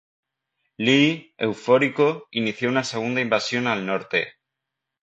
Lee, eufórico, inició una segunda invasión al Norte.